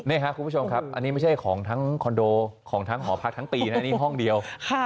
นี่ครับคุณผู้ชมครับอันนี้ไม่ใช่ของทั้งคอนโดของทั้งหอพักทั้งตีนะนี่ห้องเดียว